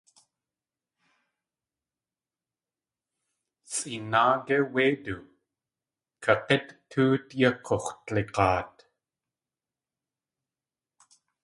Sʼeenáa gé wéidu? Kag̲ít tóot yaa k̲ux̲wdlig̲aat.